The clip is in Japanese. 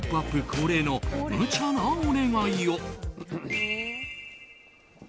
恒例の無茶なお願いを。